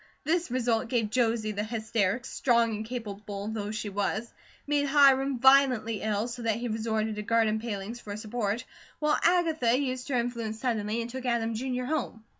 This result gave Josie the hysterics, strong and capable though she was; made Hiram violently ill, so that he resorted to garden palings for a support; while Agatha used her influence suddenly, and took Adam, Jr., home.